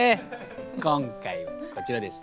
今回はこちらです。